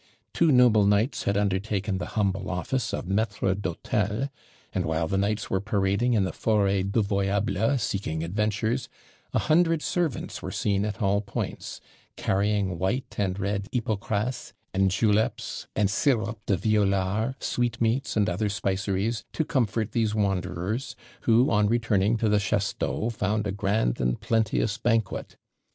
Two noble knights had undertaken the humble office of maîtres d'hôtel; and while the knights were parading in the forêt devoyable seeking adventures, a hundred servants were seen at all points, carrying white and red hypocras, and juleps, and sirop de violars, sweetmeats, and other spiceries, to comfort these wanderers, who, on returning to the chasteau, found a grand and plenteous banquet.